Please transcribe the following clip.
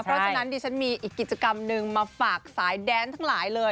เพราะฉะนั้นดิฉันมีอีกกิจกรรมนึงมาฝากสายแดนทั้งหลายเลย